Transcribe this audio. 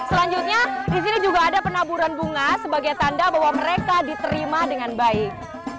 selanjutnya di sini juga ada penaburan bunga sebagai tanda bahwa mereka diterima dengan baik